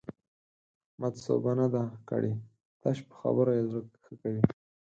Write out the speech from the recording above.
احمد سوبه نه ده کړې؛ تش په خبرو يې زړه ښه کوي.